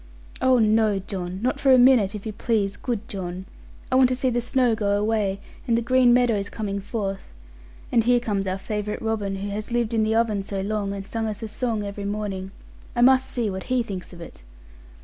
'Oh, no, John! Not for a minute, if you please, good John. I want to see the snow go away, and the green meadows coming forth. And here comes our favourite robin, who has lived in the oven so long, and sang us a song every morning. I must see what he thinks of it!'